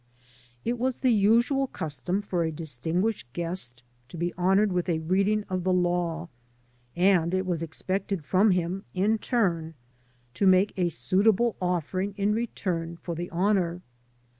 It was the usual custom for a distinguished guest to be honored with a reading of the Law, and it was expected from him, m turn, to make a suitable offering in return for the 13 * AN AMERICAN IN THE MAKING honor.